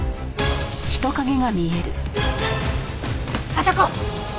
あそこ！